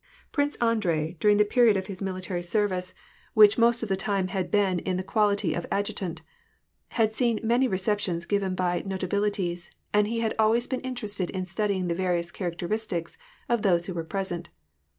Prince Andrei during the period of his military service, /^ 164 ^y^R AND PEACE. which most of the time had been in the quality of adjutant, had seen many receptions given by notabilities, and he had always been interested in studying the various characteristics of those who were present.